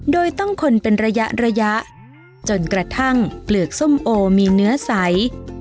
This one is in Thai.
โดยต้องคนเป็นระยะระยะจนกระทั่งเปลือกส้มโอมีเนื้อใส